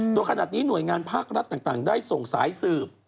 โดยขนาดนี้หน่วยงานภาครัฐต่างได้ส่งสายสืบ